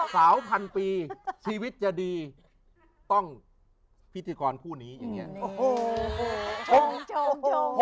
พันปีชีวิตจะดีต้องพิธีกรคู่นี้อย่างนี้